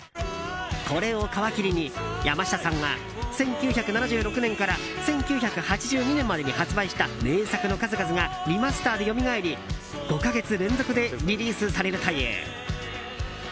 これを皮切りに、山下さんが１９７６年から１９８２年までに発売した名作の数々がリマスターでよみがえり５か月連続でリリースされるという。